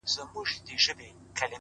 نن شپه بيا زه پيغور ته ناسته يمه-